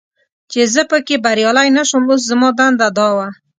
چې زه پکې بریالی نه شوم، اوس زما دنده دا وه.